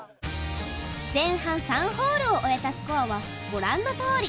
前半３ホールを終えたスコアはご覧のとおり。